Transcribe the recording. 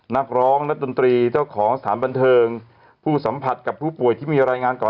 นักร้องนักดนตรีเจ้าของสถานบันเทิงผู้สัมผัสกับผู้ป่วยที่มีรายงานก่อน